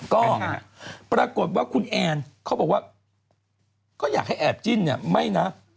ก็ปรากฏว่าคุณแอนเขาบอกว่าก็อยากให้แอบจิ้นเนี่ยไม่นะ